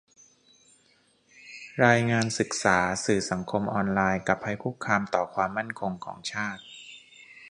รายงานศึกษา "สื่อสังคมออนไลน์กับภัยคุกคามต่อความมั่นคงของชาติ"